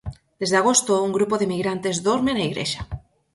Desde agosto, un grupo de migrantes dorme na igrexa.